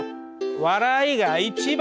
笑いが一番。